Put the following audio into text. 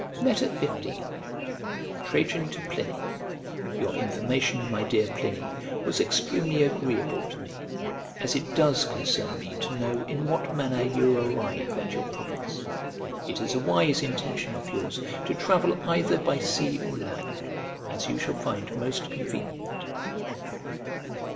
XV TRAJAN TO PLINY YOUR information, my dear Pliny, was extremely agreeable to mc, as it does concern me to know in what manner you arrive at your province. It is a wise intention of yours to travel either by sea or land, as you shall find most convenient.